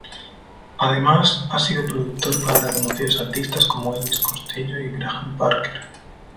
Además ha sido productor para reconocidos artistas como Elvis Costello y Graham Parker.